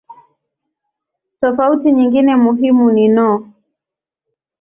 Tofauti nyingine muhimu ni no.